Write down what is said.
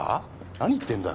何言ってんだ。